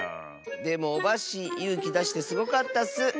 でもオバッシーゆうきだしてすごかったッス！